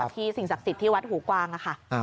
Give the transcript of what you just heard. พี่สิ่งศักดิ์ศิษย์ที่วัดหูกวางค่ะ